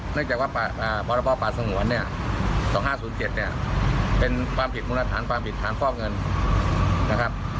เนื่องจากว่าบรป่าสงวน๒๕๐๗เป็นมูลฐานความผิดภาพเงินนะครับ